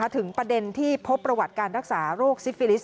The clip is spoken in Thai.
ถึงประเด็นที่พบประวัติการรักษาโรคซิฟิลิส